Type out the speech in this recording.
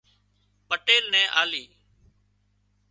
پٽيل نين آلي